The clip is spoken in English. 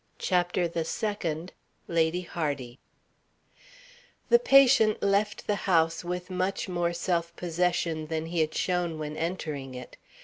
CHAPTER THE SECOND LADY HARDY The patient left the house with much more self possession than he had shown when entering it.